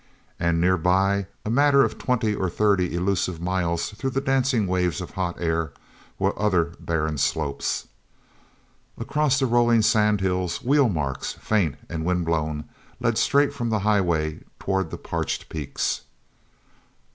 And nearer by, a matter of twenty or thirty elusive miles through the dancing waves of hot air, were other barren slopes. Across the rolling sand hills wheel marks, faint and wind blown, led straight from the highway toward the parched peaks.